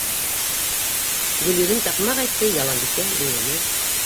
Гөлйөҙөм таҡмаҡ әйтте, Яланбикә бейене.